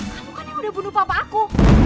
kamu kan yang udah bunuh papa aku